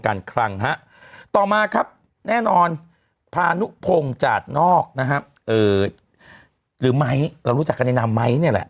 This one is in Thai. การคลังต่อมาครับแน่นอนพานุพงศ์จากนอกนะฮะหรือไม้รู้จักกันนามไหม